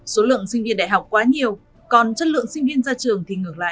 số lượng sinh viên đại học quá nhiều còn chất lượng sinh viên ra trường thì ngược lại